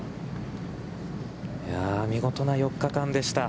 見事な４日間でした。